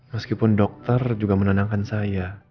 meskipun dokter juga menenangkan saya